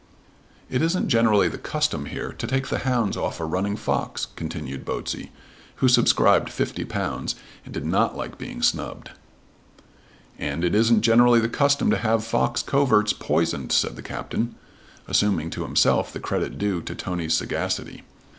"It isn't generally the custom here to take the hounds off a running fox," continued Botsey, who subscribed £50, and did not like being snubbed. "And it isn't generally the custom to have fox coverts poisoned," said the Captain, assuming to himself the credit due to Tony's sagacity.